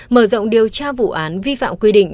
mở rộng điều tra vụ án vi phạm quy định